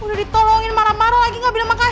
udah ditolongin marah marah lagi gak bilang makasih